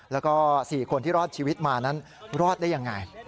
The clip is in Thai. แล้วก็๔คนที่รอดชีวิตมานั้นรอดได้ยังไง